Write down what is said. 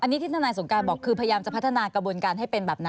อันนี้ที่ทนายสงการบอกคือพยายามจะพัฒนากระบวนการให้เป็นแบบนั้น